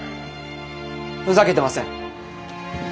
ふざけてません。